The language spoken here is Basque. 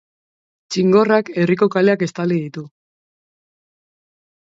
Txingorrak herriko kaleak estali ditu.